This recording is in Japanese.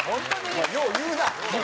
お前よう言うな。